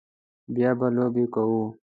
بیا به لوبې کوو